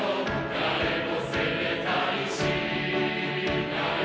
「誰も責めたりしないのに」